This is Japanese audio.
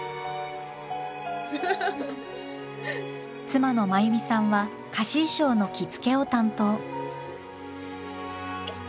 妻の真由美さんは貸衣装の着付けを担当。